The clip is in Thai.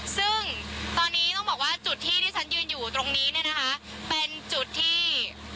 ซึ่งตอนนี้ต้องบอกว่าจุดที่ที่ฉันยืนอยู่ตรงนี้เนี่ยนะคะเป็นจุดที่